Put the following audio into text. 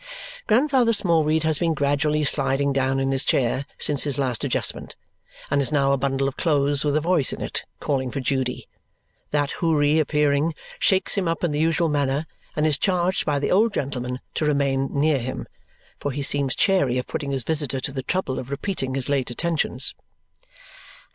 Grandfather Smallweed has been gradually sliding down in his chair since his last adjustment and is now a bundle of clothes with a voice in it calling for Judy. That houri, appearing, shakes him up in the usual manner and is charged by the old gentleman to remain near him. For he seems chary of putting his visitor to the trouble of repeating his late attentions.